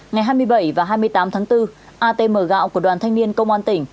ngày hai mươi bảy và hai mươi tám tháng bốn atm gạo của đoàn thanh niên công an tỉnh